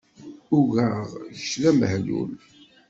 Ugaɣ kečč d abehlul.